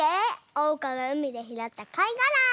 おうかがうみでひろったかいがら。